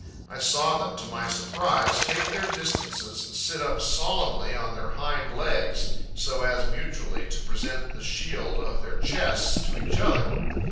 I saw them, to my surprise, take their distances and sit up solemnly on their hind legs, so as mutually to present the shield of their chests to each other.